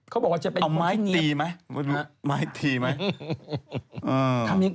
เอ้าม้ายดีมั้ย